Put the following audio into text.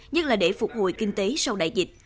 nhất là để phục hồi kinh tế sau đại dịch